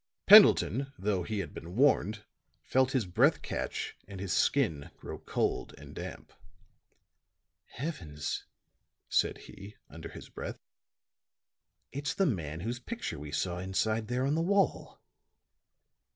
Pendleton, though he had been warned, felt his breath catch and his skin grow cold and damp. "Heavens!" said he, under his breath. "It's the man whose picture we saw inside there on the wall."